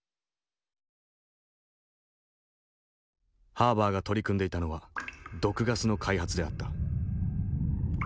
ハーバーが取り組んでいたのは毒ガスの開発であった。